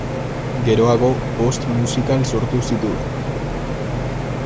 Geroago bost musikal sortu zituen.